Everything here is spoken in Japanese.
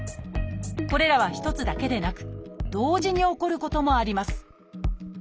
これらは一つだけでなく同時に起こることもあります